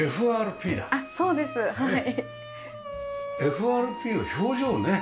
ＦＲＰは表情ね